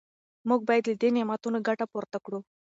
موږ باید له دې نعمتونو ګټه پورته کړو.